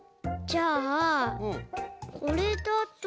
じゃあこれだと。